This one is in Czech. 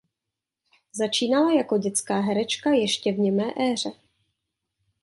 Začínala jako dětská herečka ještě v němé éře.